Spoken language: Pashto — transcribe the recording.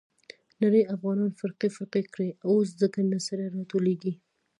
نړۍ افغانان فرقې فرقې کړي. اوس ځکه نه سره راټولېږي.